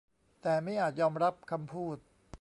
แต่มิอาจยอมรับคำพูด